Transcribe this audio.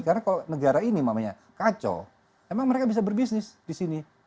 karena kalau negara ini memangnya kacau memang mereka bisa berbisnis di sini